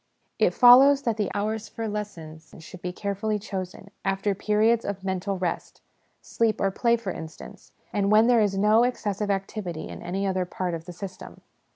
It follows that the hours for lessons should be carefully chosen, after periods of mental rest sleep or play, for instance and when there is no excessive activity in any other part of the system.